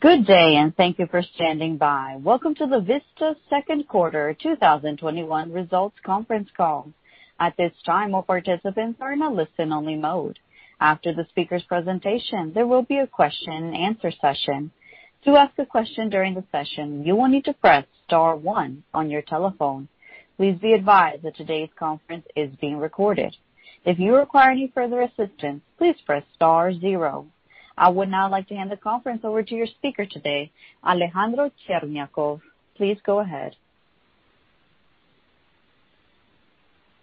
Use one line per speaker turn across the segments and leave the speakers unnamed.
Good day, and thank you for standing by. Welcome to the Vista second quarter 2021 results conference call. At this time, all participants are in a listen-only mode. After the speakers' presentation, there will be a question and answer session. To ask a question during the session, you will need to press star one on your telephone. Please be advised that today's conference is being recorded. If you require any further assistance, please press star zero. I would now like to hand the conference over to your speaker today, Alejandro Cherñacov. Please go ahead.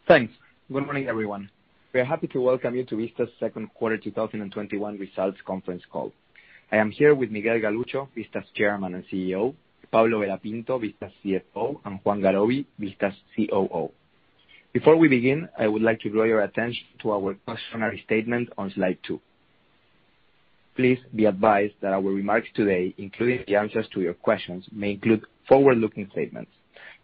Thanks. Good morning, everyone. We are happy to welcome you to Vista's second quarter 2021 results conference call. I am here with Miguel Galuccio, Vista's Chairman and CEO, Pablo Vera Pinto, Vista's CFO, and Juan Garoby, Vista's COO. Before we begin, I would like to draw your attention to our cautionary statement on slide two. Please be advised that our remarks today, including the answers to your questions, may include forward-looking statements.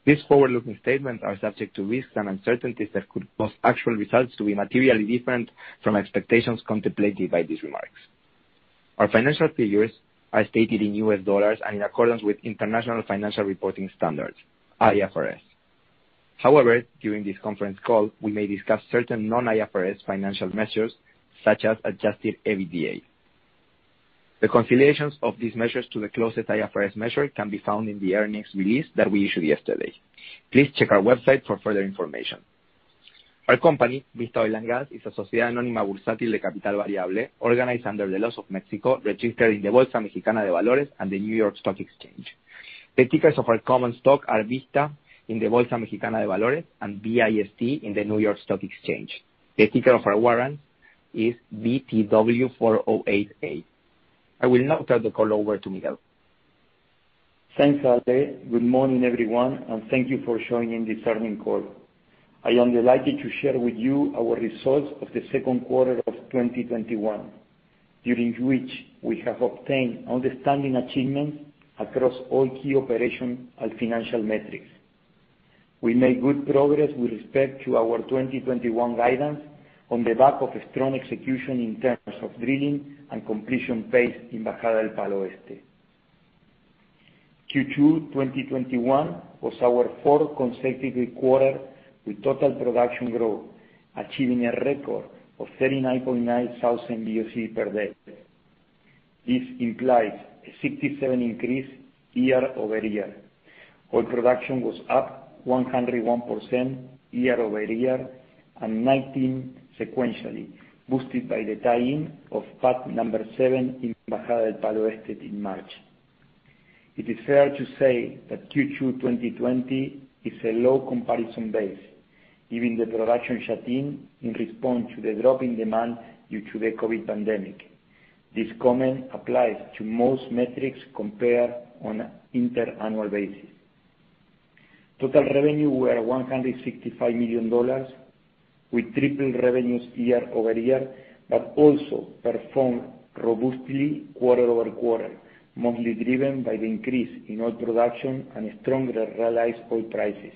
These forward-looking statements are subject to risks and uncertainties that could cause actual results to be materially different from expectations contemplated by these remarks. Our financial figures are stated in US dollars and in accordance with International Financial Reporting Standards, IFRS. However, during this conference call, we may discuss certain non-IFRS financial measures such as adjusted EBITDA. The reconciliations of these measures to the closest IFRS measure can be found in the earnings release that we issued yesterday. Please check our website for further information. Our company, Vista Energy, is a Sociedad Anónima Bursátil de Capital Variable organized under the laws of Mexico, registered in the Bolsa Mexicana de Valores and the New York Stock Exchange. The tickers of our common stock are Vista in the Bolsa Mexicana de Valores and VIST in the New York Stock Exchange. The ticker of our warrant is VISTW. I will now turn the call over to Miguel.
Thanks, Ale. Good morning, everyone, and thank you for joining this earnings call. I am delighted to share with you our results of the second quarter of 2021, during which we have obtained outstanding achievements across all key operational and financial metrics. We made good progress with respect to our 2021 guidance on the back of a strong execution in terms of drilling and completion phase in Bajada del Palo Este. Q2 2021 was our fourth consecutive quarter with total production growth, achieving a record of 39.9 thousand BOE per day. This implies a 67% increase year-over-year. Oil production was up 101% year-over-year and 19% sequentially, boosted by the tie-in of pad number seven in Bajada del Palo Este in March. It is fair to say that Q2 2020 is a low comparison base, given the production shut-in in response to the drop in demand due to the COVID pandemic. This comment applies to most metrics compared on inter-annual basis. Total revenue were $165 million, with tripled revenues year-over-year. Also performed robustly quarter-over-quarter, mostly driven by the increase in oil production and stronger realized oil prices.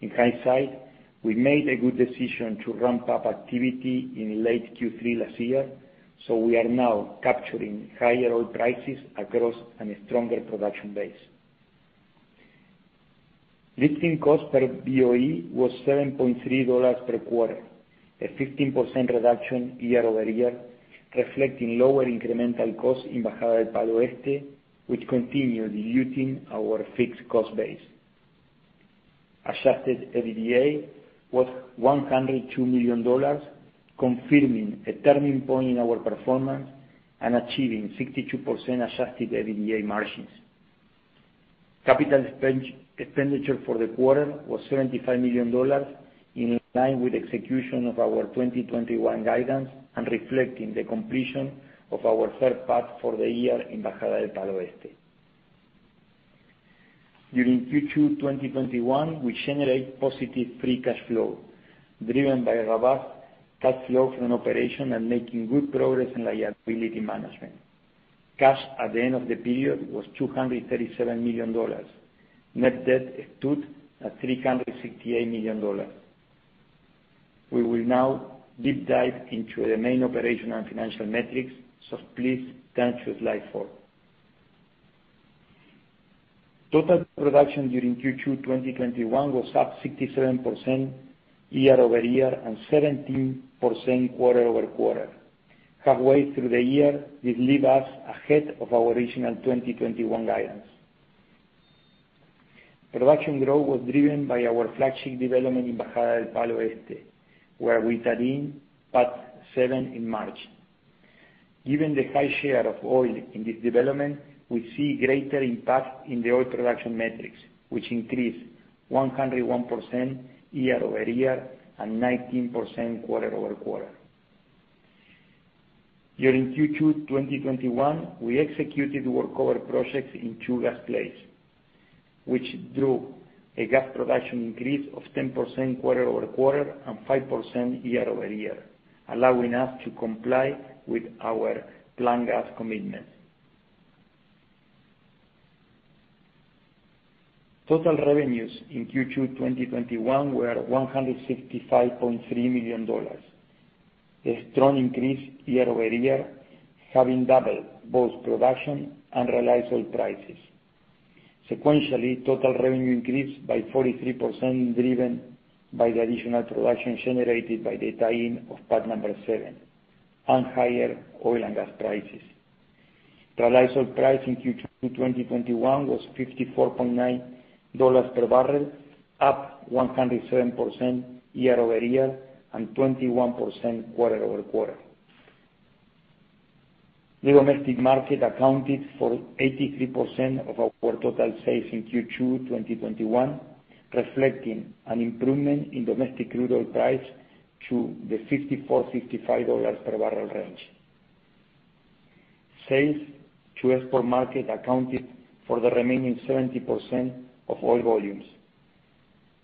In hindsight, we made a good decision to ramp up activity in late Q3 last year. We are now capturing higher oil prices across and a stronger production base. Lifting cost per BOE was $7.30 per quarter, a 15% reduction year-over-year, reflecting lower incremental costs in Bajada del Palo Este, which continue diluting our fixed cost base. adjusted EBITDA was $102 million, confirming a turning point in our performance and achieving 62% adjusted EBITDA margins. Capital expenditure for the quarter was $75 million, in line with execution of our 2021 guidance and reflecting the completion of our third pad for the year in Bajada del Palo Este. During Q2 2021, we generate positive free cash flow, driven by robust cash flow from operation and making good progress in liability management. Cash at the end of the period was $237 million. Net debt stood at $368 million. We will now deep dive into the main operational and financial metrics, so please turn to slide four. Total production during Q2 2021 was up 67% year-over-year and 17% quarter-over-quarter. Halfway through the year, this leave us ahead of our original 2021 guidance. Production growth was driven by our flagship development in Bajada del Palo Este, where we tied-in pad seven in March. Given the high share of oil in this development, we see greater impact in the oil production metrics, which increased 101% year-over-year and 19% quarter-over-quarter. During Q2 2021, we executed work over projects in two gas plays, which drove a gas production increase of 10% quarter-over-quarter and 5% year-over-year, allowing us to comply with our planned gas commitments. Total revenues in Q2 2021 were $165.3 million. A strong increase year-over-year, having doubled both production and realized oil prices. Sequentially, total revenue increased by 43%, driven by the additional production generated by the tie-in of pad number seven and higher oil and gas prices. Realized oil price in Q2 2021 was $54.9 per barrel, up 107% year-over-year and 21% quarter-over-quarter. The domestic market accounted for 83% of our total sales in Q2 2021, reflecting an improvement in domestic crude oil price to the $54-$55 per barrel range. Sales to export market accounted for the remaining 70% of oil volumes,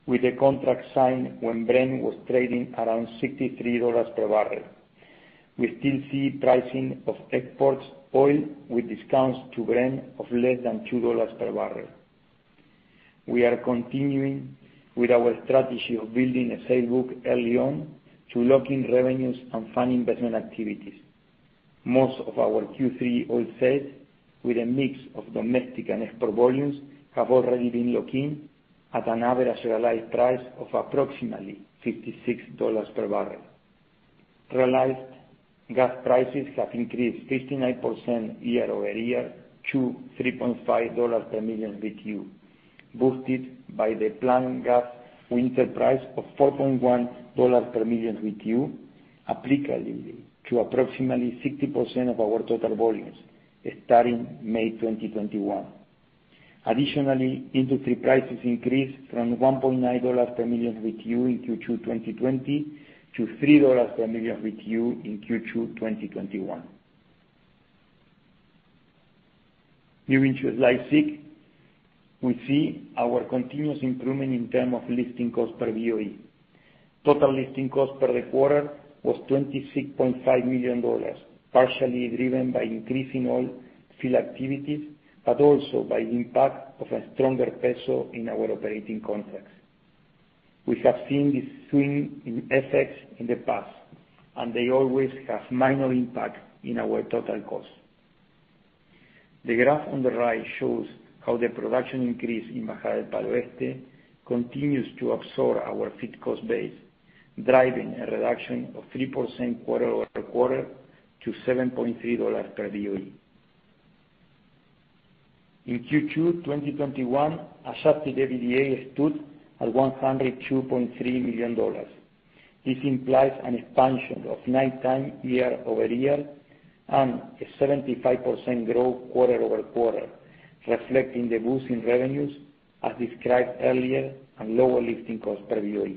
with a contract signed when Brent was trading around $63 per barrel. We still see pricing of exports oil with discounts to Brent of less than $2 per barrel. We are continuing with our strategy of building a sale book early on to lock in revenues and fund investment activities. Most of our Q3 oil sales, with a mix of domestic and export volumes, have already been locked in at an average realized price of approximately $56 per barrel. Realized gas prices have increased 59% year-over-year to $3.5 per million BTU, boosted by the planned gas winter price of $4.1 per million BTU, applicably to approximately 60% of our total volumes starting May 2021. Industry prices increased from $1.9 per million BTU in Q2 2020 to $3 per million BTU in Q2 2021. Moving to slide six, we see our continuous improvement in term of lifting cost per BOE. Total lifting cost per quarter was $26.5 million, partially driven by increasing oil field activities, also by the impact of a stronger peso in our operating contracts. We have seen this swing in effects in the past, they always have minor impact in our total cost. The graph on the right shows how the production increase in Bajada del Palo Este continues to absorb our fixed cost base, driving a reduction of 3% quarter-over-quarter to $7.3 per BOE. In Q2 2021, adjusted EBITDA stood at $102.3 million. This implies an expansion of 9x year-over-year and a 75% growth quarter-over-quarter, reflecting the boost in revenues as described earlier, and lower lifting cost per BOE.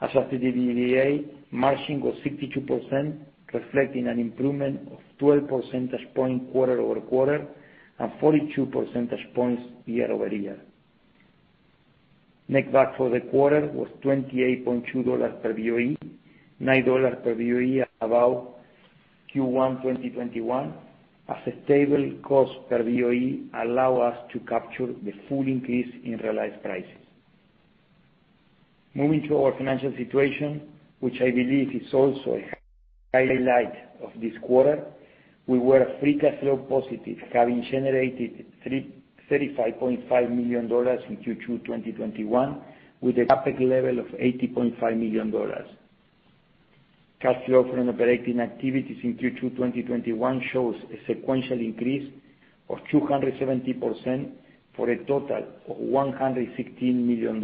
Adjusted EBITDA margin was 62%, reflecting an improvement of 12 percentage points quarter-over-quarter and 42 percentage points year-over-year. Netback for the quarter was $28.2 per BOE, $9 per BOE above Q1 2021, as a stable cost per BOE allow us to capture the full increase in realized prices. Moving to our financial situation, which I believe is also a highlight of this quarter, we were free cash flow positive, having generated $35.5 million in Q2 2021 with a CapEx level of $80.5 million. Cash flow from operating activities in Q2 2021 shows a sequential increase of 270% for a total of $116 million.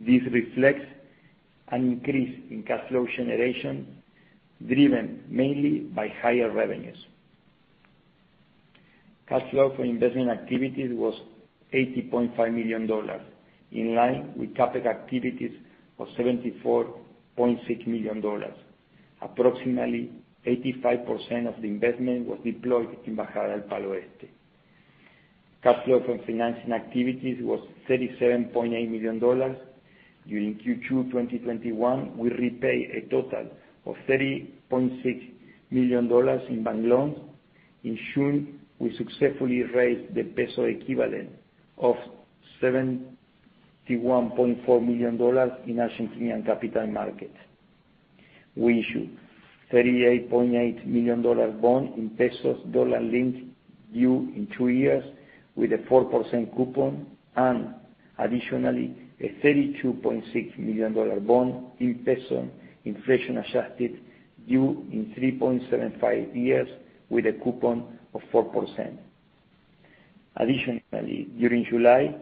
This reflects an increase in cash flow generation driven mainly by higher revenues. Cash flow for investment activities was $80.5 million, in line with CapEx activities of $74.6 million. Approximately 85% of the investment was deployed in Bajada del Palo Este. Cash flow from financing activities was $37.8 million. During Q2 2021, we repaid a total of $30.6 million in bank loans. In June, we successfully raised the peso equivalent of $71.4 million in Argentinian capital market. We issued $38.8 million bond in pesos dollar-linked due in two years with a 4% coupon, and additionally, a $32.6 million bond in peso inflation-adjusted due in 3.75 years with a coupon of 4%. Additionally, during July,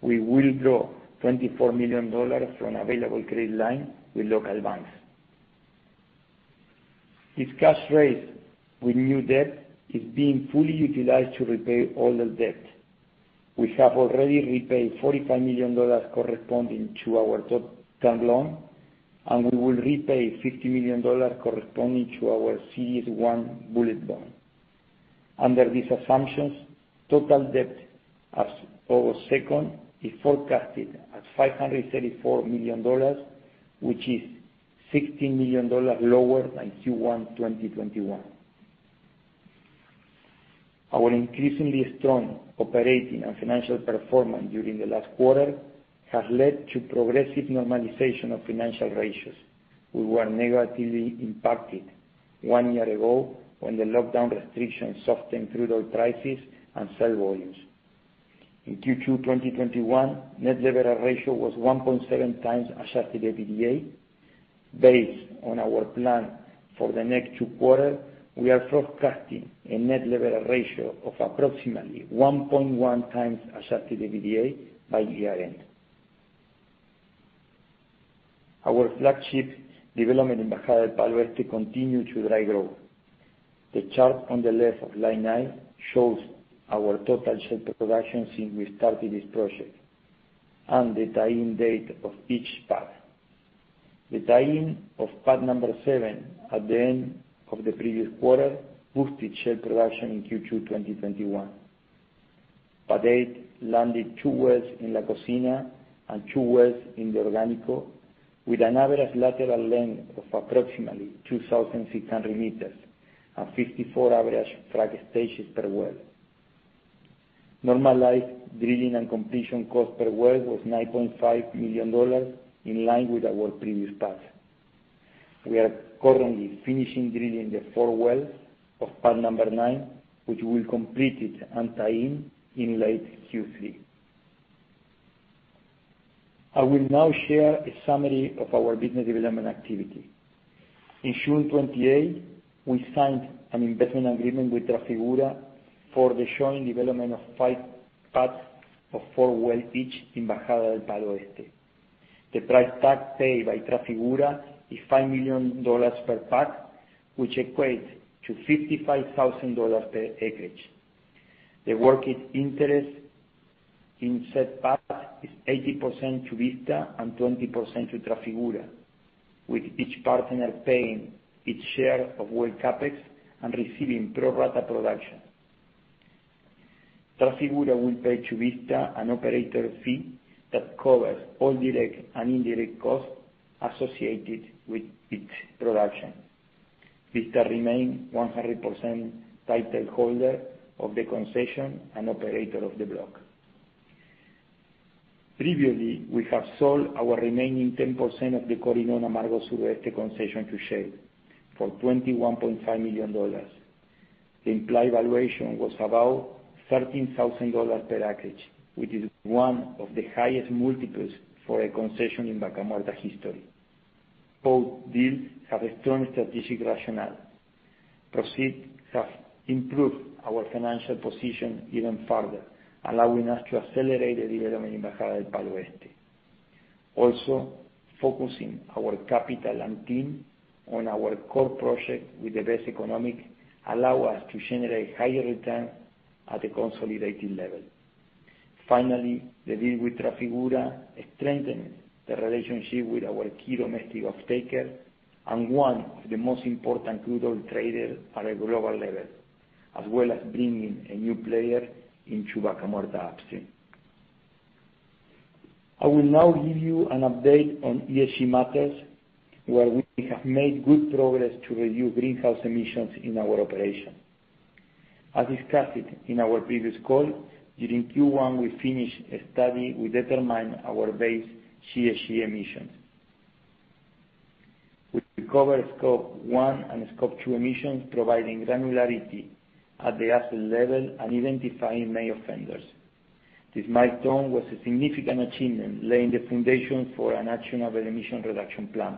we will draw $24 million from available credit line with local banks. This cash raised with new debt is being fully utilized to repay older debt. We have already repaid $45 million corresponding to our short-term loan, and we will repay $50 million corresponding to our Series One bullet bond. Under these assumptions, total debt as of August 2nd is forecasted at $534 million, which is $16 million lower than Q1 2021. Our increasingly strong operating and financial performance during the last quarter has led to progressive normalization of financial ratios. We were negatively impacted 1 year ago when the lockdown restrictions softened crude oil prices and sale volumes. In Q2 2021, net leverage ratio was 1.7x adjusted EBITDA. Based on our plan for the next two quarters, we are forecasting a net leverage ratio of approximately 1.1x adjusted EBITDA by year-end. Our flagship development in Bajada del Palo Este continue to drive growth. The chart on the left of line nine shows our total shale production since we started this project, and the tie-in date of each pad. The tie-in of pad number seven at the end of the previous quarter boosted shale production in Q2 2021. Pad eight landed two wells in La Cocina and two wells in the Orgánico, with an average lateral length of approximately 2,600m and 54 average frac stages per well. Normalized drilling and completion cost per well was $9.5 million, in line with our previous pads. We are currently finishing drilling the four wells of pad number nine, which we'll complete it and tie in late Q3. I will now share a summary of our business development activity. In June 28th, we signed an investment agreement with Trafigura for the joint development of five pads of four well each in Bajada del Palo Este. The price tag paid by Trafigura is $5 million per pad, which equates to $55,000 per acreage. The working interest in said pads is 80% to Vista and 20% to Trafigura, with each partner paying its share of well CapEx and receiving pro rata production. Trafigura will pay Vista an operator fee that covers all direct and indirect costs associated with its production. Vista remain 100% titleholder of the concession and operator of the block. Previously, we have sold our remaining 10% of the Coirón Amargo Sur Este concession to Shell for $21.5 million. The implied valuation was about $13,000 per acreage, which is one of the highest multiples for a concession in Vaca Muerta history. Both deals have a strong strategic rationale. Proceeds have improved our financial position even further, allowing us to accelerate the development in Bajada del Palo Este. Focusing our capital and team on our core project with the best economic, allow us to generate higher return at a consolidating level. The deal with Trafigura strengthens the relationship with our key domestic off-taker and one of the most important crude oil traders at a global level, as well as bringing a new player into Vaca Muerta upstream. I will now give you an update on ESG matters, where we have made good progress to reduce greenhouse emissions in our operation. As discussed in our previous call, during Q1, we finished a study, we determined our base GHG emissions, which cover Scope 1 and Scope 2 emissions, providing granularity at the asset level and even defining main offenders. This milestone was a significant achievement, laying the foundation for an actionable emission reduction plan.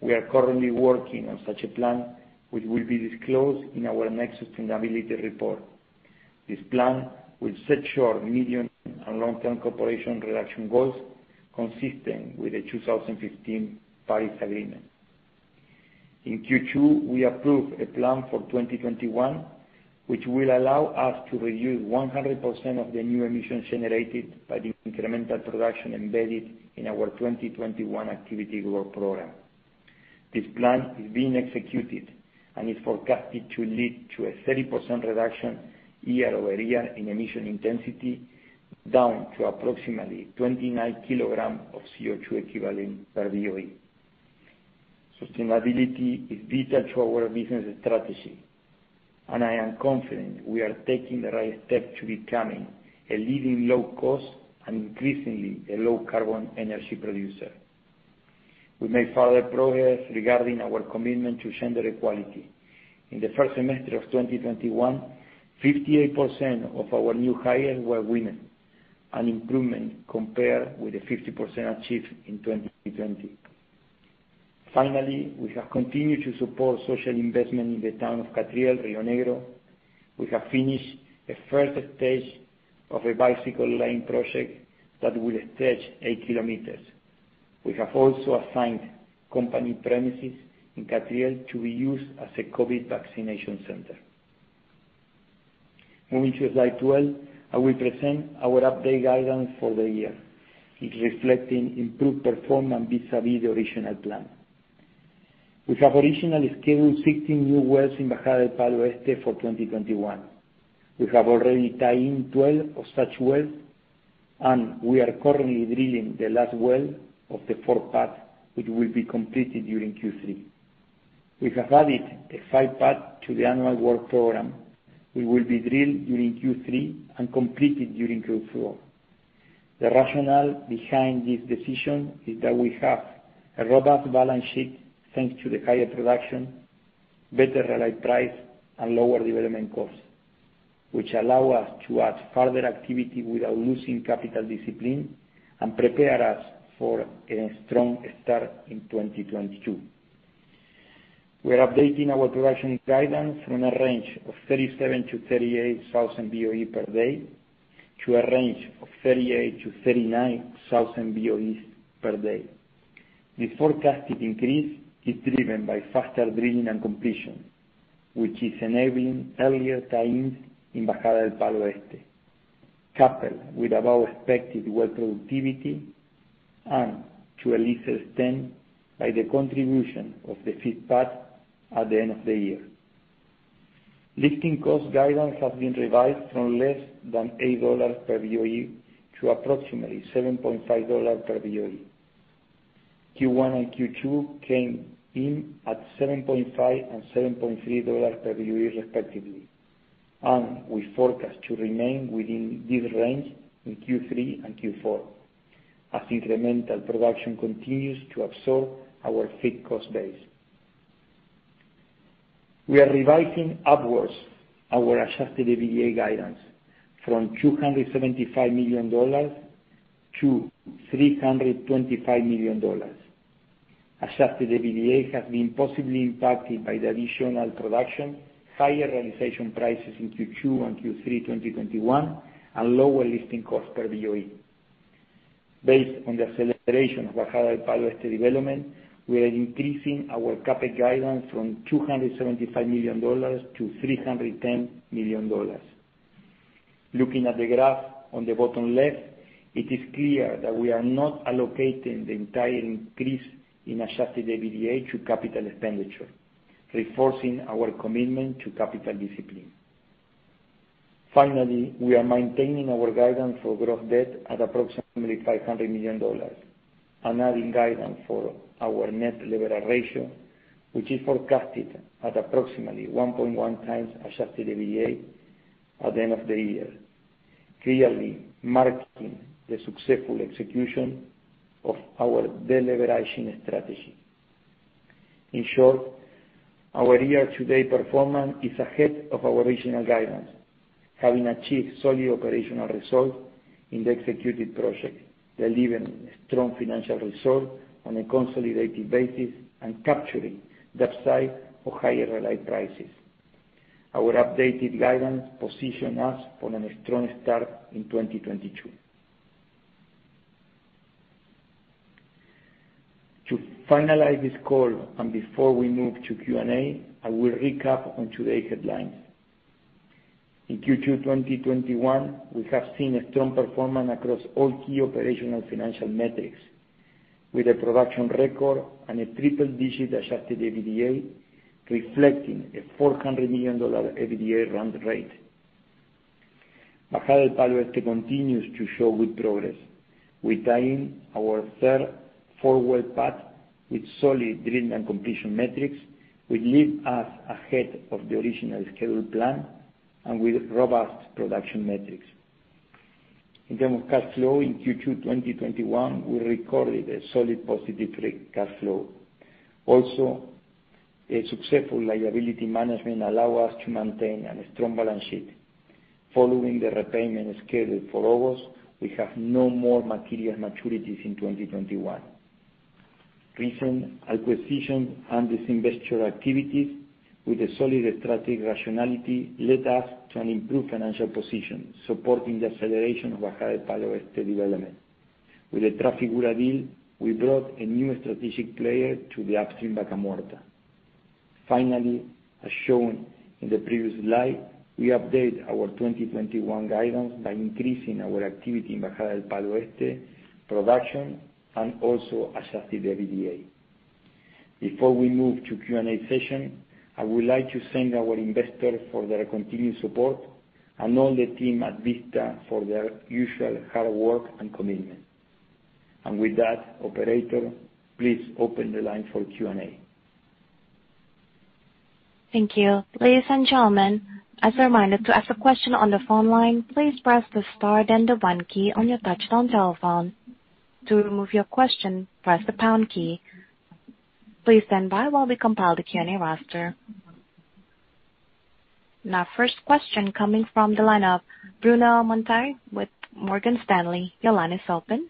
We are currently working on such a plan, which will be disclosed in our next sustainability report. This plan will set short, medium, and long-term carbon reduction goals consistent with the 2015 Paris Agreement. In Q2, we approved a plan for 2021, which will allow us to reduce 100% of the new emissions generated by the incremental production embedded in our 2021 activity growth program. This plan is being executed and is forecasted to lead to a 30% reduction year-over-year in emission intensity, down to approximately 29kg of CO2 equivalent per BOE. Sustainability is vital to our business strategy, and I am confident we are taking the right steps to becoming a leading low cost and increasingly a low carbon energy producer. We made further progress regarding our commitment to gender equality. In the first semester of 2021, 58% of our new hires were women, an improvement compared with the 50% achieved in 2020. Finally, we have continued to support social investment in the town of Catriel, Rio Negro. We have finished the first stage of a bicycle lane project that will stretch 8km. We have also assigned company premises in Catriel to be used as a COVID vaccination center. Moving to slide 12, I will present our updated guidance for the year. It's reflecting improved performance vis-a-vis the original plan. We have originally scheduled 16 new wells in Bajada del Palo Este for 2021. We have already tied in 12 of such wells. We are currently drilling the last well of the fourth pad, which will be completed during Q3. We have added a five-pad to the annual work program, which will be drilled during Q3 and completed during Q4. The rationale behind this decision is that we have a robust balance sheet thanks to the higher production, better realized price, and lower development costs, which allow us to add further activity without losing capital discipline and prepare us for a strong start in 2022. We are updating our production guidance from a range of 37,000 to 38,000 BOE per day to a range of 38,000 to 39,000 BOEs per day. This forecasted increase is driven by faster drilling and completion, which is enabling earlier tie-ins in Bajada del Palo Este, coupled with above expected well productivity and, to a lesser extent, by the contribution of the fifth pad at the end of the year. Lifting cost guidance has been revised from less than $8 per BOE to approximately $7.50 per BOE. Q1 and Q2 came in at $7.50 and $7.30 per BOE respectively, and we forecast to remain within this range in Q3 and Q4, as incremental production continues to absorb our fixed cost base. We are revising upwards our adjusted EBITDA guidance from $275 to 325 million. Adjusted EBITDA has been positively impacted by the additional production, higher realization prices in Q2 and Q3 2021, and lower lifting cost per BOE. Based on the acceleration of Bajada del Palo Este development, we are increasing our CapEx guidance from $275 to 310 million. Looking at the graph on the bottom left, it is clear that we are not allocating the entire increase in adjusted EBITDA to capital expenditure, reinforcing our commitment to capital discipline. We are maintaining our guidance for gross debt at approximately $500 million and adding guidance for our net leverage ratio, which is forecasted at approximately 1.1x adjusted EBITDA at the end of the year, clearly marking the successful execution of our de-leveraging strategy. In short, our year-to-date performance is ahead of our original guidance, having achieved solid operational results in the executed projects, delivering strong financial results on a consolidated basis and capturing the upside of higher oil prices. Our updated guidance positions us for a strong start in 2022. To finalize this call, and before we move to Q&A, I will recap on today's headlines. In Q2 2021, we have seen a strong performance across all key operational financial metrics, with a production record and a triple-digit adjusted EBITDA, reflecting a $400 million EBITDA run rate. Bajada del Palo Este continues to show good progress. We tie in our third four-well pad with solid drilling and completion metrics, which leave us ahead of the original schedule plan, and with robust production metrics. In terms of cash flow in Q2 2021, we recorded a solid positive free cash flow. Also, a successful liability management allows us to maintain a strong balance sheet. Following the repayment schedule for ONs, we have no more material maturities in 2021. Recent acquisitions and disinvestment activities with a solid strategic rationality led us to an improved financial position, supporting the acceleration of Bajada del Palo Este development. With the Trafigura deal, we brought a new strategic player to the upstream Vaca Muerta. Finally, as shown in the previous slide, we update our 2021 guidance by increasing our activity in Bajada del Palo Este production and also adjusted EBITDA. Before we move to Q&A session, I would like to thank our investors for their continued support and all the team at Vista for their usual hard work and commitment. With that, operator, please open the line for Q&A.
Thank you. Ladies and gentlemen, as a reminder, to ask a question on the phone line, please press the star then the one key on your touch-tone telephone. To remove your question, press the pound key. Please stand by while we compile the Q&A roster. First question coming from the line of Bruno Montanari with Morgan Stanley. Your line is open.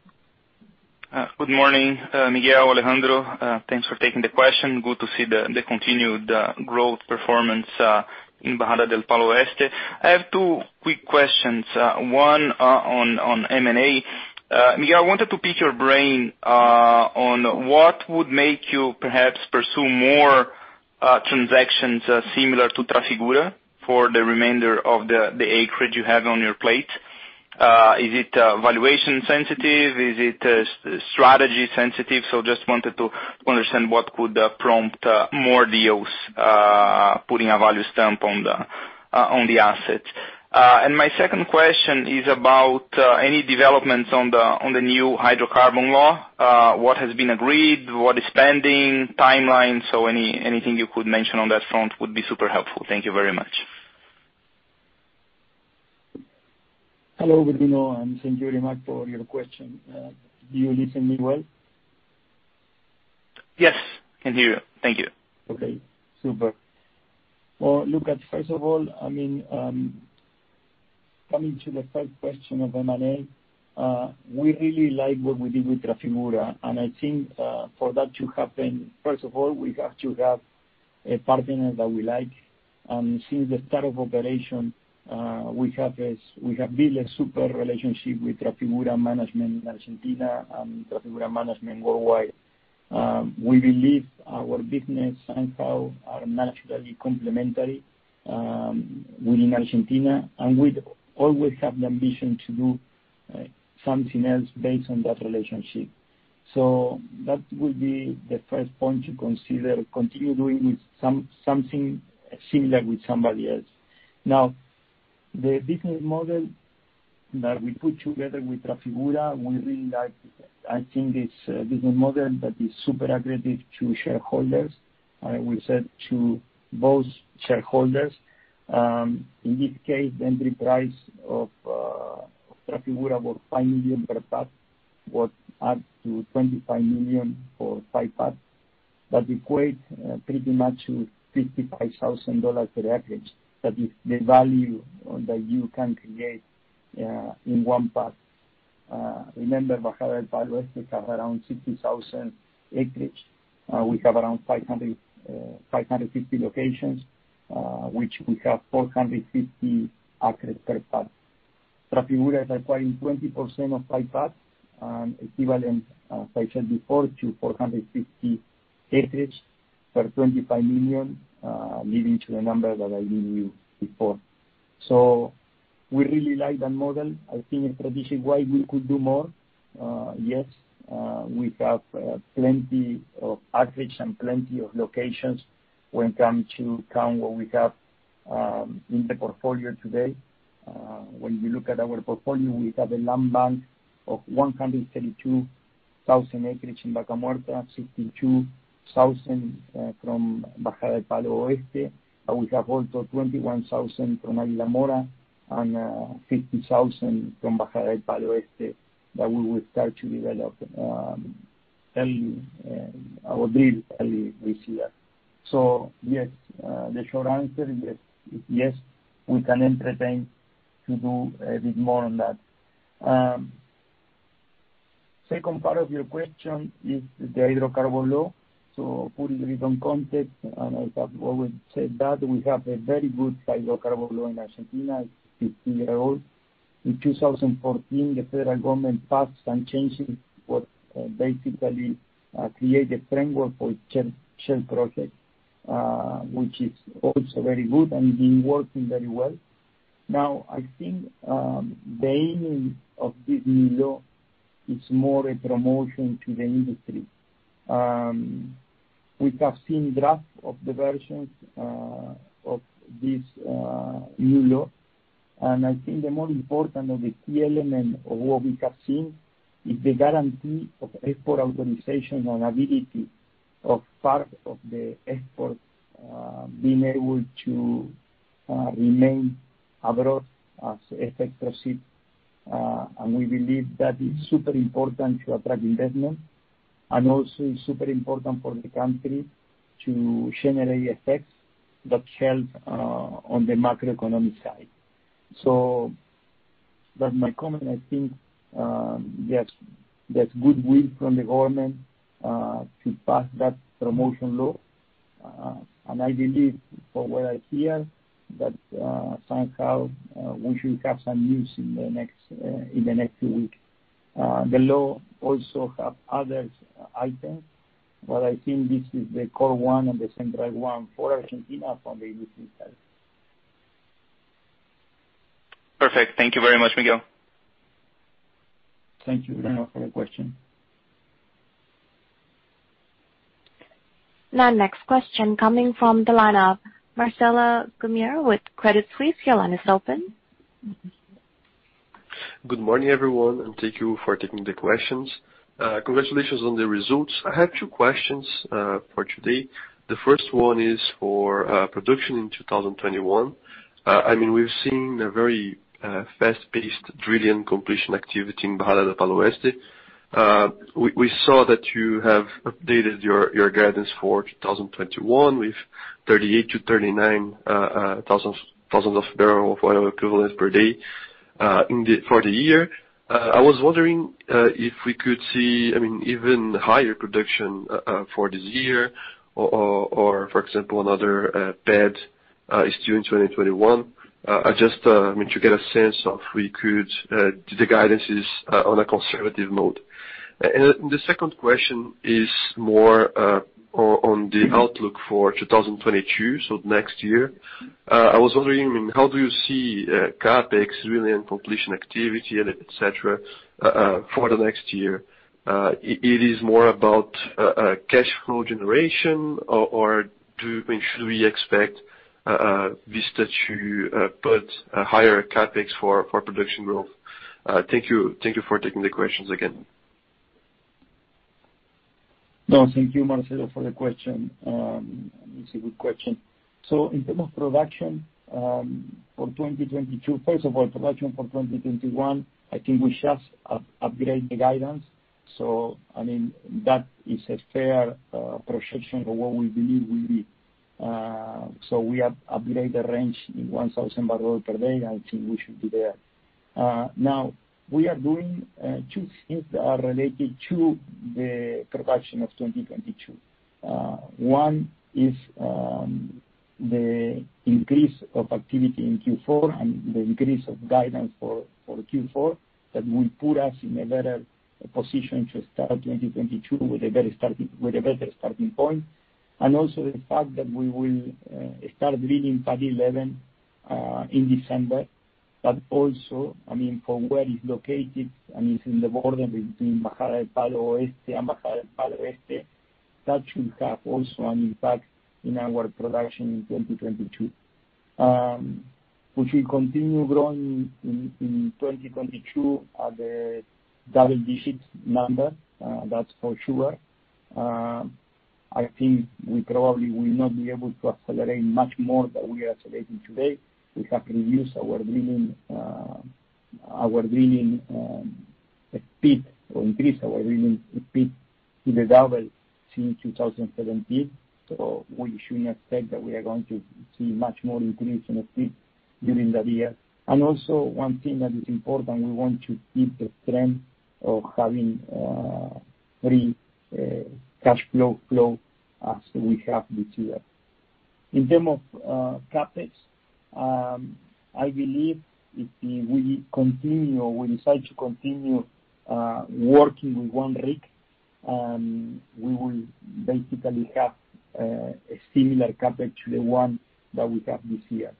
Good morning, Miguel Galuccio, Alejandro Chernacov. Thanks for taking the question. Good to see the continued growth performance in Bajada del Palo Este. I have two quick questions, one on M&A. Miguel Galuccio, I wanted to pick your brain on what would make you perhaps pursue more transactions similar to Trafigura for the remainder of the acreage you have on your plate. Is it valuation sensitive? Is it strategy sensitive? Just wanted to understand what could prompt more deals, putting a value stamp on the assets. My second question is about any developments on the new Hydrocarbons Law. What has been agreed? What is pending, timeline? Anything you could mention on that front would be super helpful. Thank you very much.
Hello, Bruno, and thank you very much for your question. Do you listen to me well?
Yes. Can hear you. Thank you.
Super. Well, look at first of all, coming to the first question of M&A, we really like what we did with Trafigura. I think for that to happen, first of all, we have to have a partner that we like. Since the start of operation, we have built a super relationship with Trafigura management in Argentina and Trafigura management worldwide. We believe our business and how are managerially complementary within Argentina. We always have the ambition to do something else based on that relationship. That would be the first point to consider continuing with something similar with somebody else. The business model that we put together with Trafigura, we really like. I think it's a business model that is super aggressive to shareholders, we said to both shareholders. In this case, the entry price of Trafigura was $5 million per pad, was up to $25 million for five pads. That equate pretty much to $55,000 per acreage. That is the value that you can create in one pad. Remember, Vaca Muerta has around 60,000 acreage. We have around 550 locations, which we have 450 acres per pad. Trafigura is acquiring 20% of 5 pads, equivalent, as I said before, to 450 acres for $25 million, leading to the number that I gave you before. We really like that model. I think in traditional way, we could do more. We have plenty of acreage and plenty of locations when it comes to count what we have in the portfolio today. When we look at our portfolio, we have a land bank of 132,000 acres in Vaca Muerta, 62,000 from Bajada del Palo Este. We have also 21,000 from Águila Mora and 50,000 from Bajada del Palo Este that we will start to develop early, our bid early this year. Yes, the short answer is yes, we can entertain to do a bit more on that. Second part of your question is the Hydrocarbons Law. Put it little context, and I have always said that we have a very good Hydrocarbons Law in Argentina, 15-year-old. In 2014, the federal government passed some changes what basically create a framework for shale project, which is also very good and been working very well. Now, I think the aim of this new law is more a promotion to the industry. We have seen drafts of the versions of this new law. I think the most important of the key elements of what we have seen is the guarantee of export authorization and ability of part of the export being able to remain abroad as export proceeds. We believe that is super important to attract investment and also is super important for the country to generate effects that help on the macroeconomic side. That my comment, I think, there's goodwill from the government to pass that promotion law. I believe for what I hear that somehow, we should have some news in the next week. The law also has other items. I think this is the core one and the central one for Argentina from the business side.
Perfect. Thank you very much, Miguel.
Thank you, Bruno, for the question.
Next question coming from the line of Marcelo Gumiero with Credit Suisse. Your line is open.
Good morning, everyone, thank you for taking the questions. Congratulations on the results. I have two questions for today. The first one is for production in 2021. We've seen a very fast-paced drilling completion activity in Bajada del Palo Este. We saw that you have updated your guidance for 2021 with 38,000 to 39,000 thousands of barrel of oil equivalent per day for the year. I was wondering if we could see even higher production for this year or, for example, another pad is due in 2021. I just want to get a sense of the guidance is on a conservative mode. The second question is more on the outlook for 2022, so next year. I was wondering, how do you see CapEx really and completion activity, et cetera, for the next year? It is more about cash flow generation, or should we expect Vista to put a higher CapEx for production growth? Thank you for taking the questions again.
No, thank you, Marcelo, for the question. It's a good question. In terms of production for 2022, first of all, production for 2021, I think we just upgrade the guidance. That is a fair projection of what we believe will be. We have upgraded the range in 1,000 barrel per day, and I think we should be there. Now, we are doing two things that are related to the production of 2022. One is the increase of activity in Q4 and the increase of guidance for Q4 that will put us in a better position to start 2022 with a better starting point. Also the fact that we will start drilling Pad 11 in December, but also, from where it's located, it's in the border between Bajada del Palo Oeste and Bajada del Palo Este. That should have also an impact in our production in 2022. We should continue growing in 2022 at the double-digit number, that's for sure. I think we probably will not be able to accelerate much more than we are accelerating today. We have reduced our drilling speed or increased our drilling speed to double since 2017. We should not expect that we are going to see much more increase in the speed during the year. Also 1 thing that is important, we want to keep the trend of having free cash flow as we have this year. In term of CapEx, I believe if we decide to continue working with one rig, we will basically have a similar CapEx to the one that we have this year.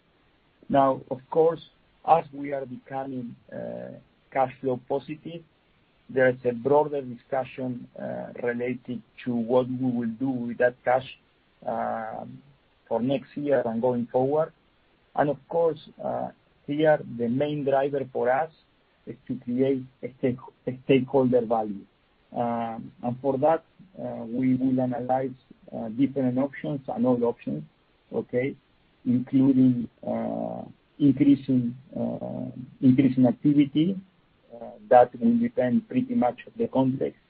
Of course, as we are becoming cash flow positive, there is a broader discussion related to what we will do with that cash for next year and going forward. Of course, here, the main driver for us is to create a stakeholder value. For that, we will analyze different options and all the options, okay, including increasing activity. That will depend pretty much on the context.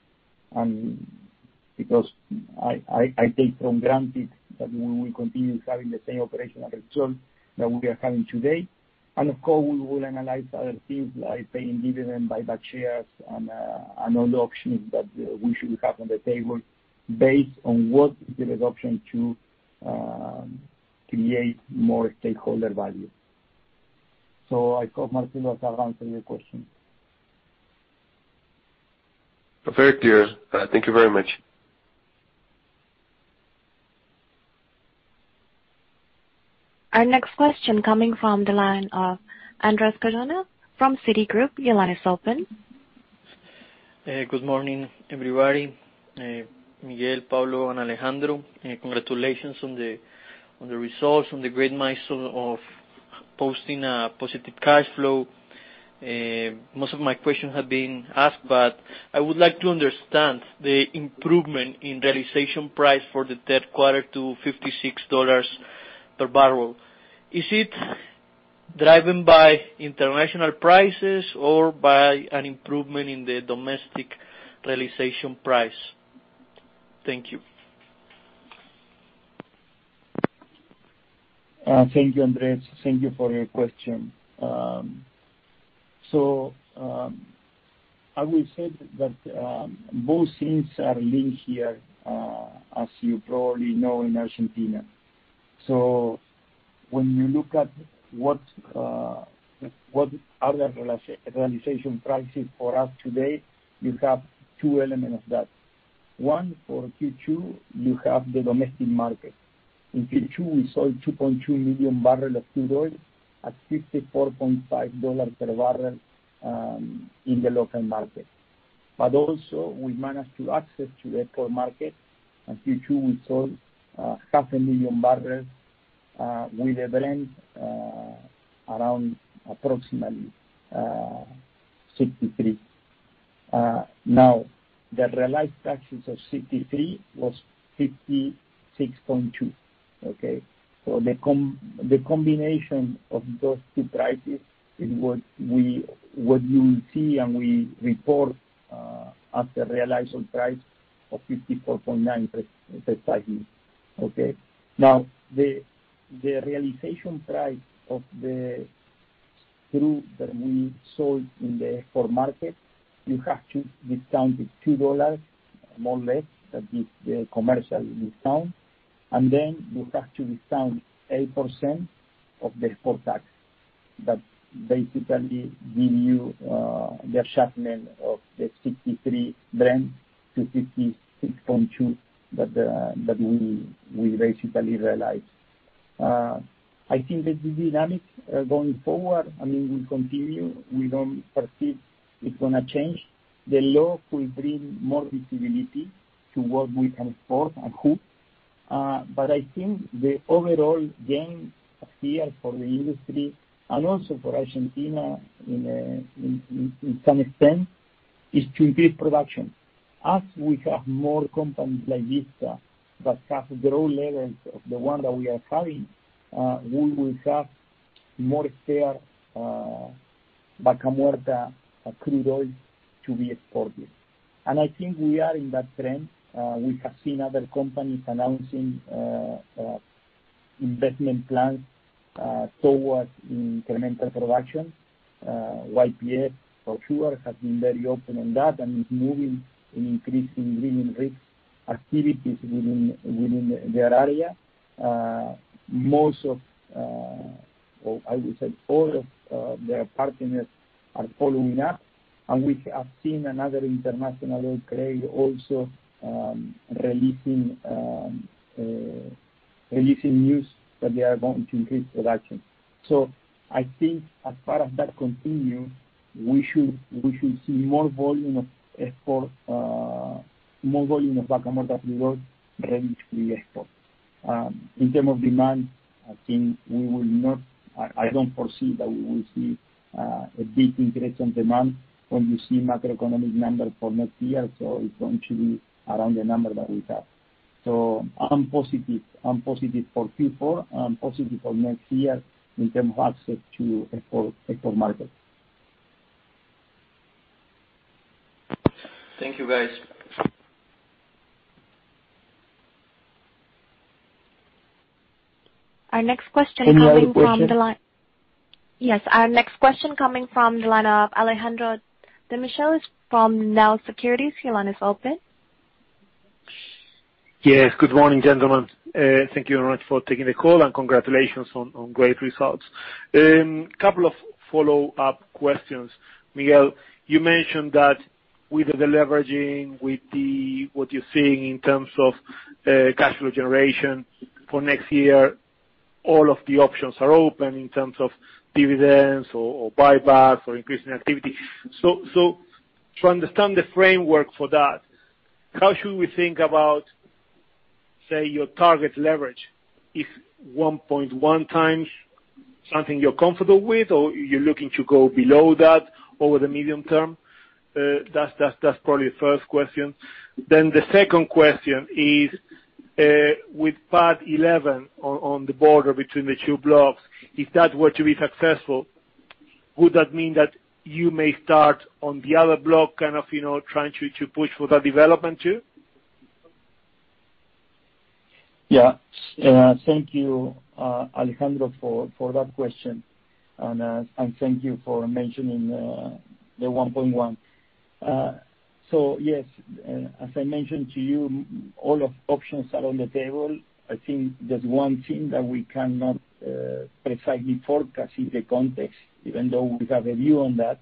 Because I take for granted that we will continue having the same operational results that we are having today. Of course, we will analyze other things like paying dividend, buyback shares, and other options that we should have on the table based on what is the best option to create more stakeholder value. I thought, Marcelo, that answer your question.
Very clear. Thank you very much.
Our next question coming from the line of Andres Cardona from Citigroup. Your line is open.
Good morning, everybody. Miguel, Pablo, and Alejandro, congratulations on the results, on the great milestone of posting a positive cash flow. I would like to understand the improvement in realization price for the third quarter to $56 per barrel. Is it driven by international prices or by an improvement in the domestic realization price? Thank you.
Thank you, Andres. Thank you for your question. I will say that both things are linked here, as you probably know in Argentina. When you look at what other realization price is for us today, you have two elements of that. One, for Q2, you have the domestic market. In Q2, we sold 2.2 million barrel of crude oil at $54.5 per barrel in the local market. Also we managed to access to the export market. In Q2, we sold half a million barrels with a Brent around approximately 63. The realized prices of 63 was 56.2, okay? The combination of those two prices is what you will see and we report as a realizable price of $54.9 per barrel. Okay? The realization price of the crude that we sold in the export market, you have to discount it $2 more or less. That is the commercial discount. Then you have to discount 8% of the export tax. That basically give you the shipment of the $63 million to $56.2 that we basically realized. I think that the dynamics going forward will continue. We don't perceive it's going to change. The law could bring more visibility to what we can export and who. I think the overall gain here for the industry, and also for Argentina in some extent, is to increase production. As we have more companies like this that have their own levels of the one that we are having, we will have more Vaca Muerta crude oil to be exported. I think we are in that trend. We have seen other companies announcing investment plans towards incremental production. YPF, for sure, has been very open on that and is moving in increasing drilling risk activities within their area. I would say all of their partners are following that. We have seen another international oil major also releasing news that they are going to increase production. I think as far as that continues, we should see more volume of Vaca Muerta crude oil ready to be exported. In term of demand, I don't foresee that we will see a big increase on demand when you see macroeconomic numbers for next year, so it's going to be around the number that we have. I'm positive for Q4. I'm positive for next year in terms of access to export markets.
Thank you, guys.
Our next question coming from the line.
Another question.
Yes. Our next question coming from the line of Alejandro Demichelis from Nau Securities, your line is open.
Yes. Good morning, gentlemen. Thank you very much for taking the call, and congratulations on great results. Miguel, you mentioned that with the leveraging, with what you're seeing in terms of cash flow generation for next year, all of the options are open in terms of dividends or buybacks or increasing activity. To understand the framework for that, how should we think about, say, your target leverage? Is 1.1x something you're comfortable with, or you're looking to go below that over the medium term? That's probably the first question. The second question is, with Pad-11 on the border between the two blocks, if that were to be successful, would that mean that you may start on the other block, kind of trying to push for that development, too?
Thank you, Alejandro, for that question, and thank you for mentioning the 1.1. Yes, as I mentioned to you, all options are on the table. I think there's one thing that we cannot precisely forecast is the context, even though we have a view on that,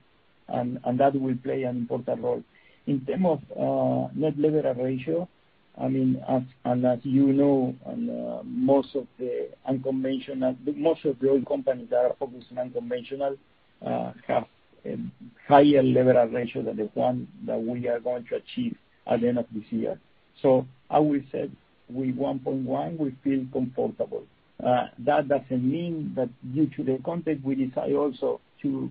and that will play an important role. In terms of net leverage ratio, as you know, most of the oil companies that are focused on unconventional have a higher leverage ratio than the one that we are going to achieve at the end of this year. As we said, with 1.1, we feel comfortable. That doesn't mean that due to the context, we decide also to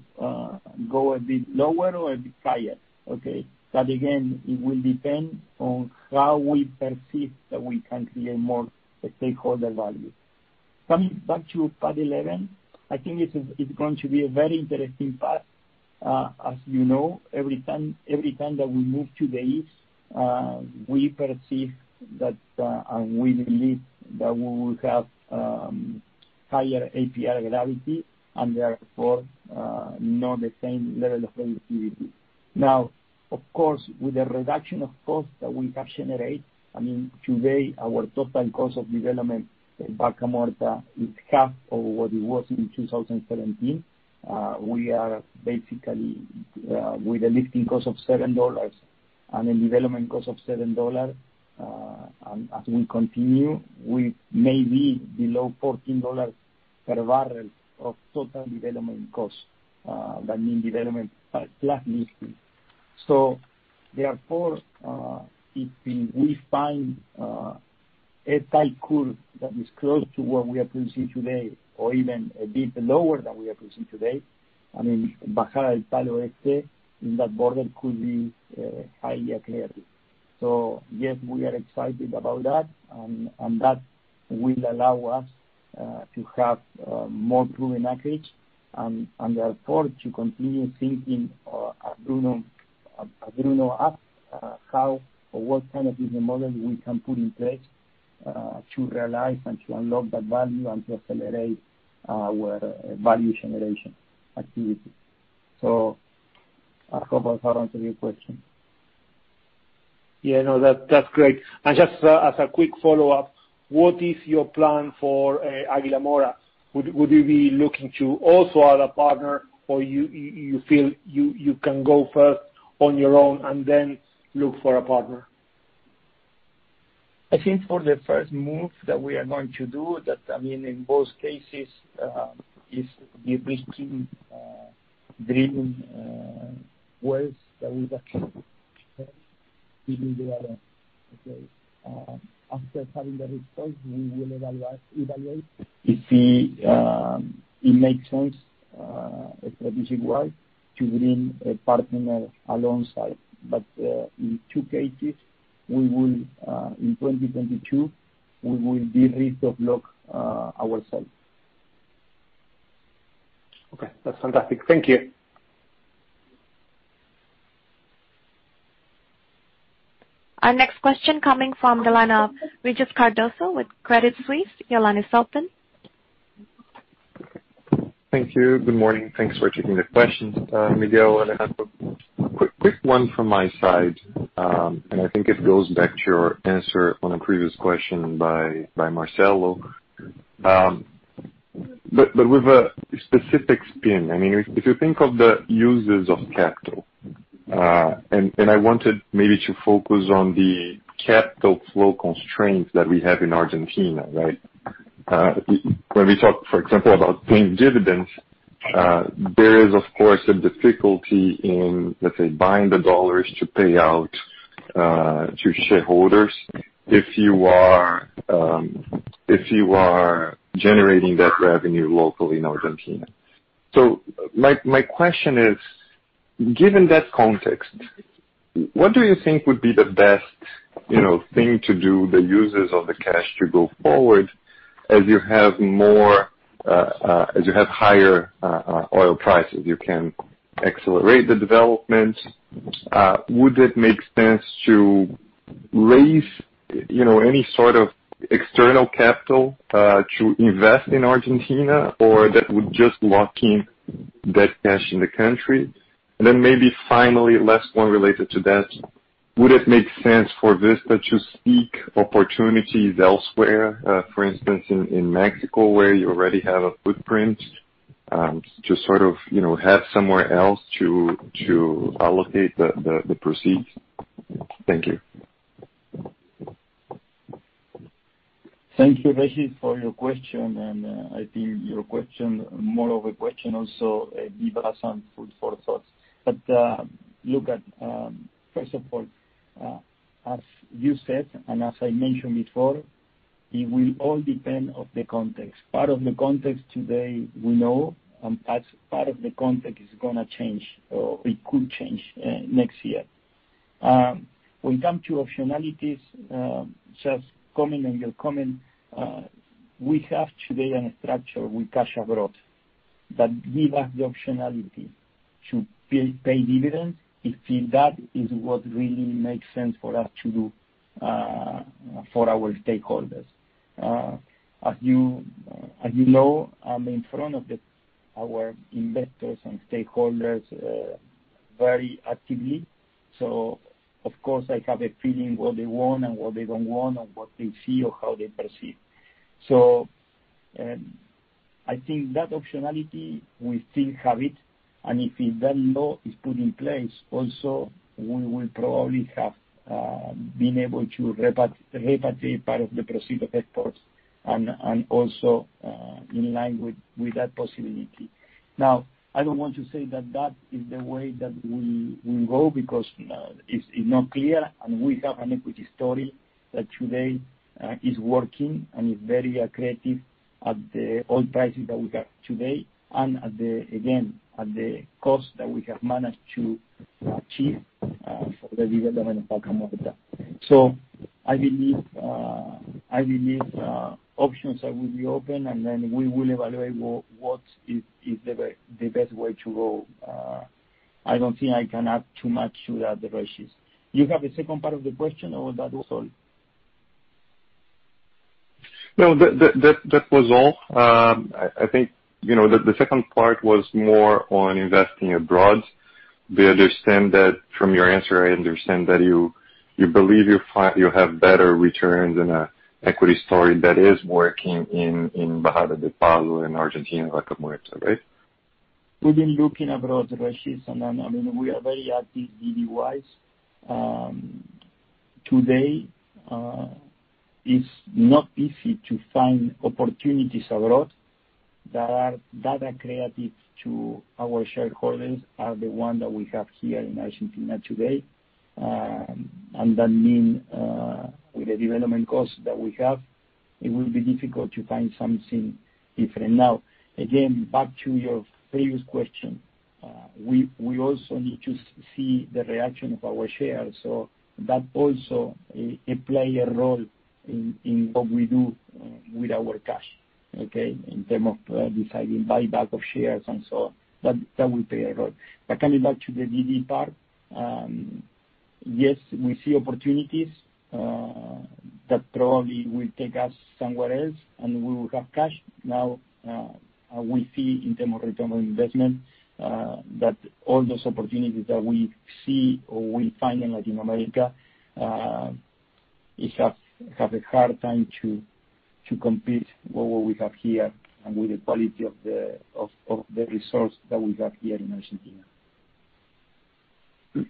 go a bit lower or a bit higher, okay. Again, it will depend on how we perceive that we can create more stakeholder value. Coming back to Pad-11, I think it's going to be a very interesting pad. As you know, every time that we move to the east, we perceive that, and we believe that we will have higher API gravity and therefore, not the same level of activity. Now, of course, with the reduction of cost that we have generated, today our total cost of development in Vaca Muerta is half of what it was in 2017. We are basically with a lifting cost of $7 and a development cost of $7. As we continue, we may be below $14 per barrel of total development cost. That means development plus lifting. Therefore, if we find a tight curve that is close to what we are producing today or even a bit lower than we are producing today, Bajada del Palo Este in that border could be highly accretive. Yes, we are excited about that will allow us to have more proven acreage and therefore, to continue thinking, as Bruno asked, how or what kind of business model we can put in place to realize and to unlock that value and to accelerate our value generation activity. I hope I've answered your question.
Yeah, no, that's great. Just as a quick follow-up, what is your plan for Aguila Mora? Would you be looking to also add a partner, or you feel you can go first on your own and then look for a partner?
I think for the first move that we are going to do, that, in both cases, is de-risking drilling wells that we in the other. After having the results, we will evaluate if it makes sense, strategically wise, to bring a partner alongside. In two cases, in 2022, we will de-risk the block ourselves.
Okay, that's fantastic. Thank you.
Our next question coming from the line of Régis Cardoso with Credit Suisse. Your line is open.
Thank you. Good morning. Thanks for taking the questions, Miguel and Alejandro. Quick one from my side. I think it goes back to your answer on a previous question by Marcelo, with a specific spin. If you think of the uses of capital, I wanted maybe to focus on the capital flow constraints that we have in Argentina, right? When we talk, for example, about paying dividends, there is, of course, a difficulty in, let's say, buying the dollars to pay out to shareholders if you are generating that revenue locally in Argentina. My question is, given that context, what do you think would be the best thing to do, the uses of the cash to go forward as you have higher oil prices? You can accelerate the development. Would it make sense to raise any sort of external capital to invest in Argentina, or that would just lock in that cash in the country? Maybe finally, last one related to that, would it make sense for Vista to seek opportunities elsewhere, for instance, in Mexico, where you already have a footprint, to sort of have somewhere else to allocate the proceeds? Thank you.
Thank you, Régis, for your question. I think your question, more of a question also, give us some food for thoughts. Look at, first of all, as you said, and as I mentioned before, it will all depend on the context. Part of the context today we know, and part of the context is going to change, or it could change next year. When it comes to optionalities, just coming on your comment, we have today a structure with cash abroad that give us the optionality to pay dividends if that is what really makes sense for us to do for our stakeholders. As you know, I'm in front of our investors and stakeholders very actively. Of course, I have a feeling what they want and what they don't want and what they feel, how they perceive. I think that optionality, we still have it. If the law is put in place also, we will probably have been able to repatriate part of the proceed of exports and also in line with that possibility. Now, I don't want to say that that is the way that we will go because it's not clear, and we have an equity story that today is working and is very accretive at the oil prices that we have today and, again, at the cost that we have managed to achieve for the development of Vaca Muerta. I believe options that will be open, and then we will evaluate what is the best way to go. I don't think I can add too much to that, Régis. You have a second part of the question, or that was all?
No, that was all. I think the second part was more on investing abroad. From your answer, I understand that you believe you have better returns and an equity story that is working in Bajada del Palo, in Argentina, Vaca Muerta, right?
We've been looking abroad, Régis, and we are very active DD wise. Today, it's not easy to find opportunities abroad that are accretive to our shareholders are the one that we have here in Argentina today. And that mean with the development costs that we have, it will be difficult to find something different. Again, back to your previous question. We also need to see the reaction of our shares. That also play a role in what we do with our cash, okay? In term of deciding buyback of shares and so on. That will play a role. Coming back to the DD part, yes, we see opportunities. That probably will take us somewhere else, and we will have cash now. We see in terms of return on investment that all those opportunities that we see or we find in Latin America have a hard time to compete with what we have here and with the quality of the resource that we have here in Argentina.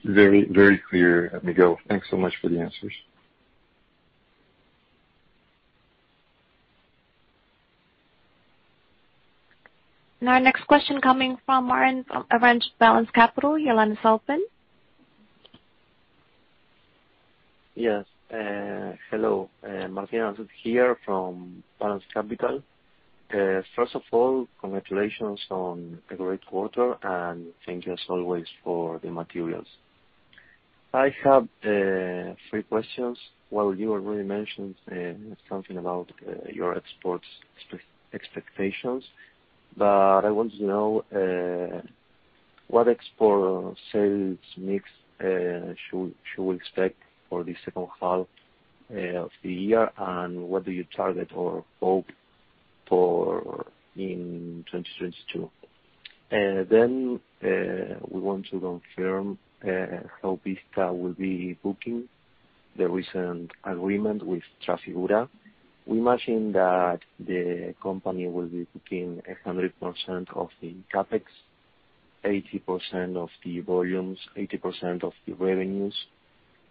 Very clear, Miguel. Thanks so much for the answers.
Our next question coming from Martin from Balanz Capital. Your line is open.
Yes. Hello. Martin here from Balanz Capital. First of all, congratulations on a great quarter, and thank you as always for the materials. I have 3 questions. Well, you already mentioned something about your exports expectations, but I want to know what export sales mix should we expect for the second half of the year, and what do you target or hope for in 2022? We want to confirm how Vista will be booking the recent agreement with Trafigura. We imagine that the company will be booking 100% of the CapEx, 80% of the volumes, 80% of the revenues,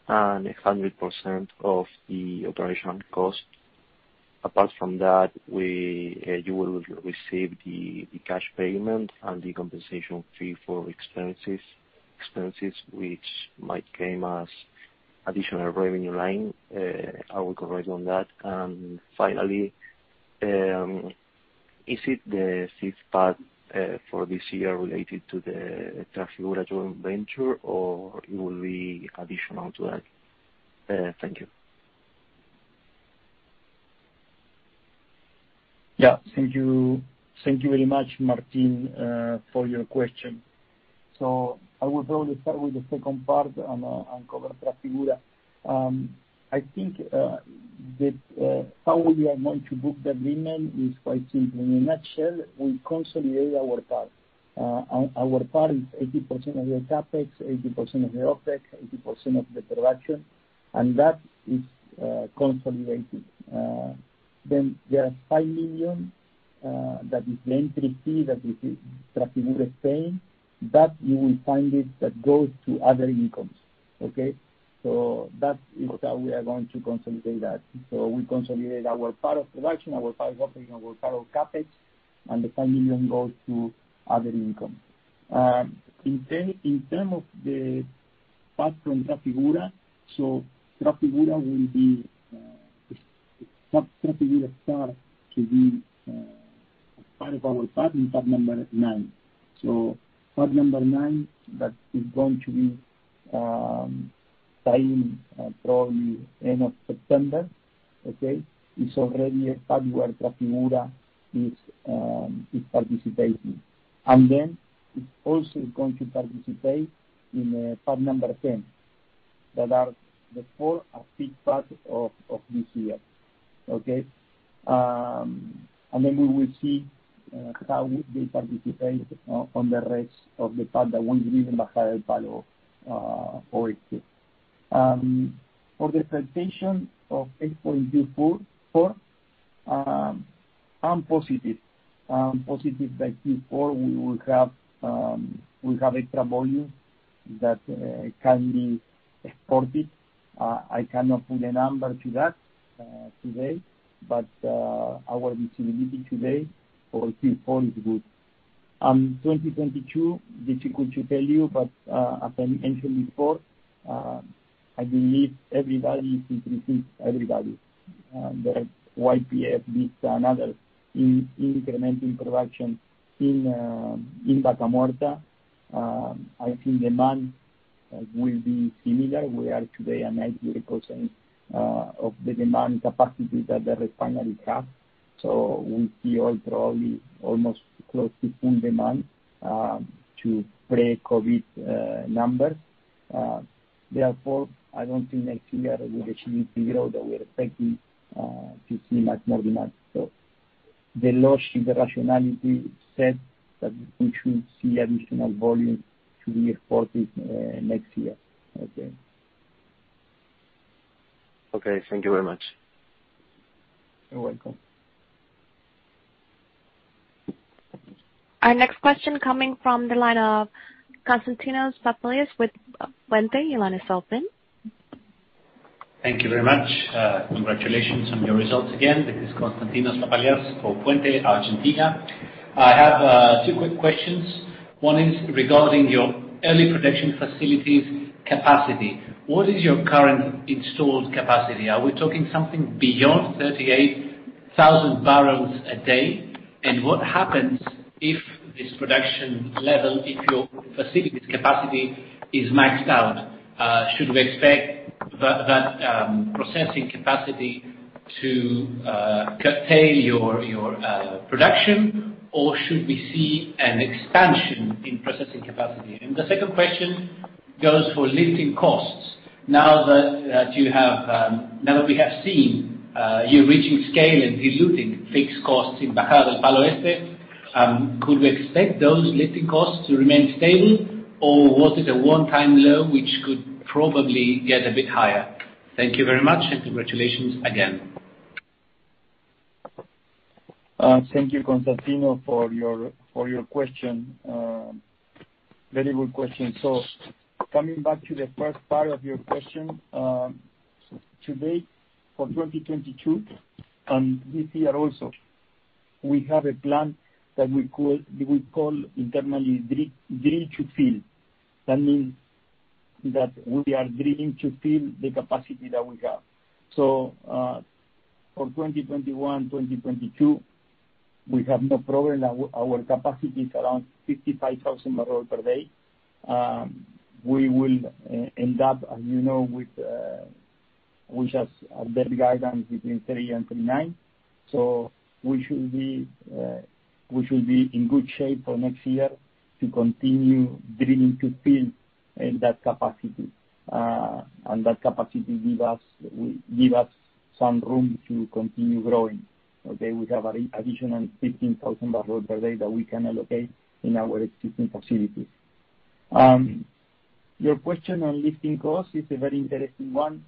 and 100% of the operational costs. Apart from that, you will receive the cash payment and the compensation fee for expenses, which might come as additional revenue line. Are we correct on that? Finally, is it the fifth pad for this year related to the Trafigura joint venture, or it will be additional to that? Thank you.
Thank you very much, Martin, for your question. I will probably start with the second part and cover Trafigura. I think that how we are going to book the agreement is quite simple. In a nutshell, we consolidate our part. Our part is 80% of the CapEx, 80% of the OpEx, 80% of the production, and that is consolidated. There are $5 million that is the entry fee that Trafigura is paying. You will find it that goes to other incomes. That is how we are going to consolidate that. We consolidate our part of production, our part of operating, our part of CapEx, and the $5 million goes to other income. In terms of the pad from Trafigura starts to be part of our pad number 9.
Pad number nine, that is going to be signed probably end of September. Okay. It's already a pad where Trafigura is participating. It's also going to participate in pad number 10. That are the four or five pads of this year. Okay. We will see how they participate on the rest of the pad that will be given by 482. For the presentation of 8.24, I'm positive. I'm positive that Q4 we will have extra volume that can be exported. I cannot put a number to that today, but our visibility today for Q4 is good. 2022, difficult to tell you, but as I mentioned before, I believe everybody is increasing. Everybody, whether YPF, Vista, another, increasing production in Vaca Muerta. I think demand will be similar. We are today at 98% of the demand capacity that the refinery has.
We see all probably almost close to full demand to pre-COVID numbers. Therefore, I don't think next year we will achieve the growth that we are expecting to see much more demand. The logic, the rationality said that we should see additional volume to be exported next year. Okay.
Okay. Thank you very much.
You're welcome.
Our next question coming from the line of Konstantinos Papalias with Puente. Your line is open.
Thank you very much. Congratulations on your results again. This is Konstantinos Papalias for Puente, Argentina. I have two quick questions. One is regarding your early production facilities capacity. What is your current installed capacity? Are we talking something beyond 38,000bpd? What happens if this production level, if your facilities capacity is maxed out? Should we expect that processing capacity to pay your production, or should we see an expansion in processing capacity? The second question goes for lifting costs. Now that we have seen you reaching scale and diluting fixed costs in Bajada del Palo Este, could we expect those lifting costs to remain stable, or was it a one-time low, which could probably get a bit higher? Thank you very much, and congratulations again.
Thank you, Konstantinos, for your question. Very good question. Coming back to the first part of your question, to date for 2022, and this year also, we have a plan that we call internally drill to fill. That means that we are drilling to fill the capacity that we have. For 2021, 2022, we have no problem. Our capacity is around 55,000bpd. We will end up, as you know, with just our bed guidance between 30 and 39. We should be in good shape for next year to continue drilling to fill that capacity. That capacity give us some room to continue growing. Okay, we have additional 15,000bpd that we can allocate in our existing facilities. Your question on lifting costs is a very interesting one.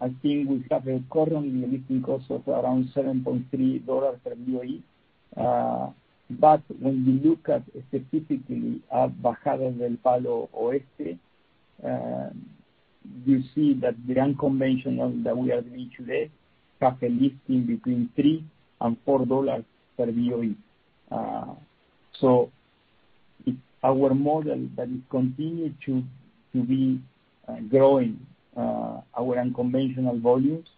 I think we have currently a lifting cost of around $7.3 per BOE. When we look at specifically at Bajada del Palo Oeste, you see that the unconventional that we are doing today have a lifting between $3 and $4 per BOE. It's our model that it continue to be growing our unconventional volumes.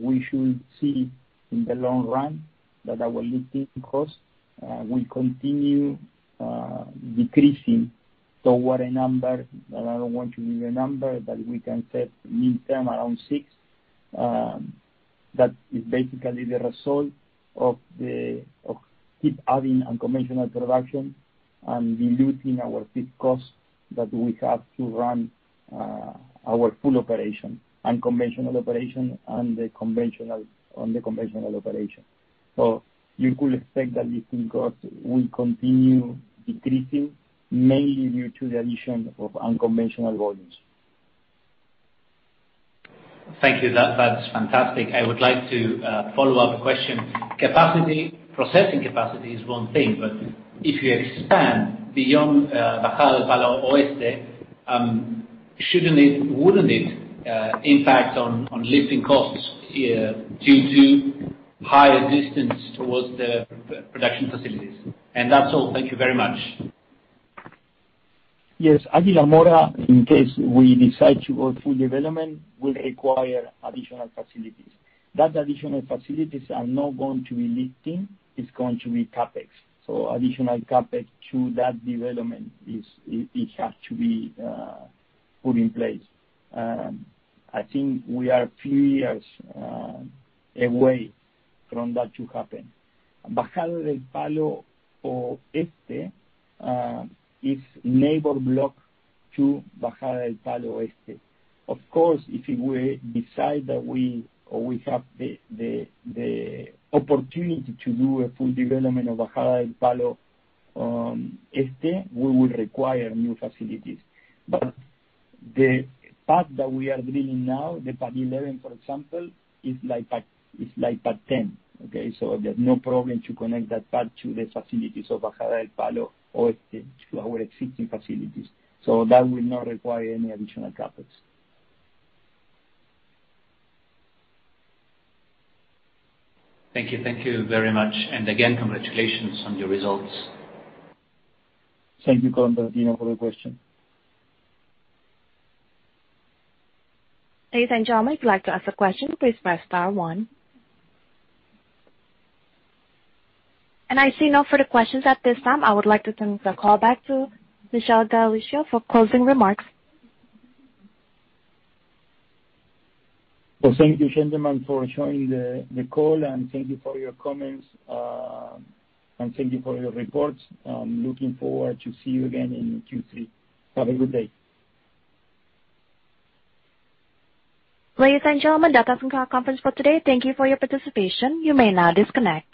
We should see in the long run that our lifting costs will continue decreasing toward a number, and I don't want to give a number, but we can set midterm around $6. That is basically the result of keep adding unconventional production and diluting our fixed costs that we have to run our full operation, unconventional operation, and the conventional operation. You could expect that lifting costs will continue decreasing, mainly due to the addition of unconventional volumes.
Thank you. That's fantastic. I would like to follow up a question. Capacity, processing capacity is one thing, but if you expand beyond Bajada del Palo Oeste, wouldn't it impact on lifting costs due to higher distance towards the production facilities? That's all. Thank you very much.
Yes. Águila Mora, in case we decide to go full development, will require additional facilities. That additional facilities are not going to be lifting, it's going to be CapEx. Additional CapEx to that development, it has to be put in place. I think we are a few years away from that to happen. Bajada del Palo Oeste is neighbor block to Bajada del Palo Este. Of course, if we decide that we have the opportunity to do a full development of Bajada del Palo Oeste, we will require new facilities. The pad that we are drilling now, the pad 11, for example, is like pad 10. Okay? There's no problem to connect that pad to the facilities of Bajada del Palo Oeste to our existing facilities. That will not require any additional CapEx.
Thank you. Thank you very much. Again, congratulations on your results.
Thank you, Konstantinos, for your question.
I see no further questions at this time. I would like to turn the call back to Miguel Galuccio for closing remarks.
Well, thank you, gentlemen, for joining the call, and thank you for your comments, and thank you for your reports. I'm looking forward to see you again in Q3. Have a good day.
Ladies and gentlemen, that concludes our conference for today. Thank you for your participation. You may now disconnect.